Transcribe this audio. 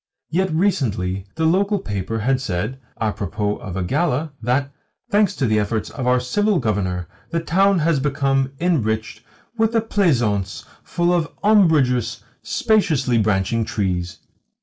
Yet recently the local paper had said (apropos of a gala) that, "Thanks to the efforts of our Civil Governor, the town has become enriched with a pleasaunce full of umbrageous, spaciously branching trees.